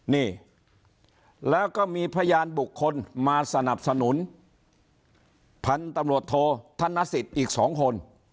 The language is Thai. นี่แล้วก็มีพยานบุคคลมาสนับสนุนพันธุ์ตำรวจโทษธนสิทธิ์อีก๒คน